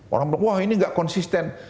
orang bilang wah ini nggak konsisten